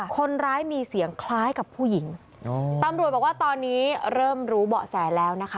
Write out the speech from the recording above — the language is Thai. คนร้ายมีเสียงคล้ายกับผู้หญิงตำรวจบอกว่าตอนนี้เริ่มรู้เบาะแสแล้วนะคะ